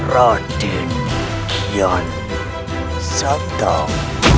ratin kian saitam